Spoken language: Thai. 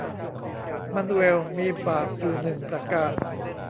มานูเอลมีบาปอยู่หนึ่งประการ